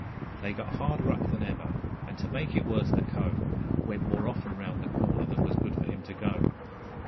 They got harder up than ever, and, to make it worse, the Co. Went more often round the corner than was good for him to go.